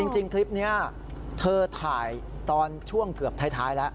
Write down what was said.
จริงคลิปนี้เธอถ่ายตอนช่วงเกือบท้ายแล้ว